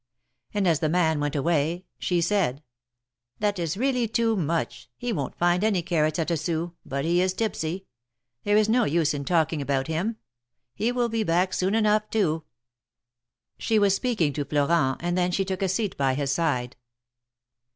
'^ And as the man went away she said : 2 30 THE MARKETS OF PARIS. That is really too much — he won't find any carrots at a sou — but he is tipsy — there is no use in talking about him. He will be back soon enough, too !" She was speaking to Florent, and then she took a seat by his side.